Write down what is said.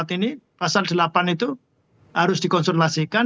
dua ribu dua puluh empat ini pasal delapan itu harus dikonsumerasikan